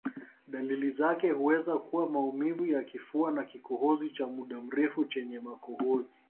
Dalili zake huweza kuwa maumivu ya kifua na kikohozi cha muda mrefu chenye makohozi